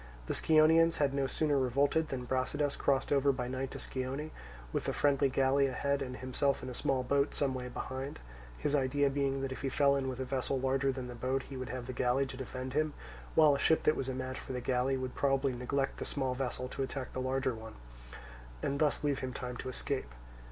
The Scionaeans had no sooner revolted than Brasidas crossed over by night to Scione, with a friendly galley ahead and himself in a small boat some way behind; his idea being that if he fell in with a vessel larger than the boat he would have the galley to defend him, while a ship that was a match for the galley would probably neglect the small vessel to attack the large one, and thus leave him time to escape.